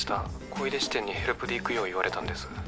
☎小井手支店にヘルプで行くよう言われたんです